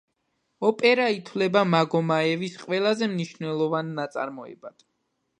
ოპერა ითვლება მაგომაევის ყველაზე მნიშვნელოვან ნაწარმოებად.